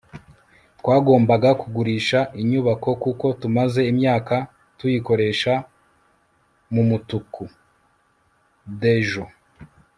twagombaga kugurisha inyubako kuko tumaze imyaka tuyikoresha mumutuku. (dejo